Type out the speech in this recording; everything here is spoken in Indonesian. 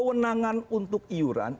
kewenangan untuk iuran